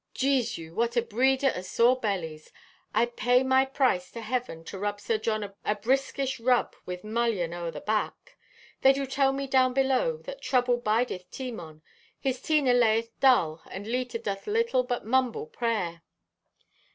Jesu! What a breeder o' sore bellies. I'd pay my price to heaven to rub Sir John a briskish rub with mullien o'er the back. "They do tell me down below that trouble bideth Timon. His Tina layeth dull and Leta doth little but mumble prayer."